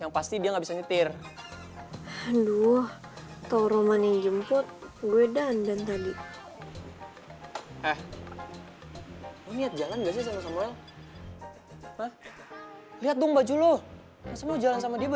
apaan sih ini